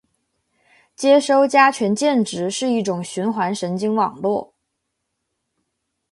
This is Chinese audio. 接收加权键值是一种循环神经网络